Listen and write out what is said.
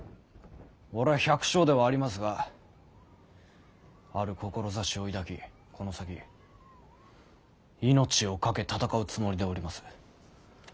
俺は百姓ではありますがある志を抱きこの先命をかけ戦うつもりでおります。